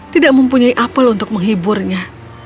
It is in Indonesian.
tidak mempunyai apel untuk menghiburnya